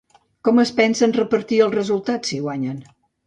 Com es pensen repartir els resultats si guanyen?